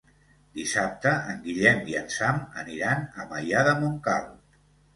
Dissabte en Guillem i en Sam aniran a Maià de Montcal.